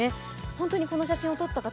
本当にこの写真を撮った方